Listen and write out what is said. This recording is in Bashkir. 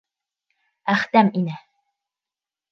Әхтәм инә.